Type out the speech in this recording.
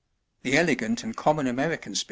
The elegant and common American species, 77.